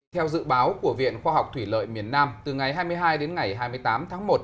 theo dự báo của viện khoa học thủy lợi miền nam từ ngày hai mươi hai đến ngày hai mươi tám tháng một